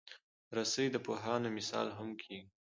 رسۍ د پوهانو مثال هم کېږي.